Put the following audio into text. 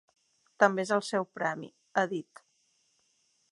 També és el seu premi, ha dit.